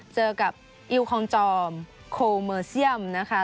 เจอกับอิลคองจอมโคเมอร์เซียมนะคะ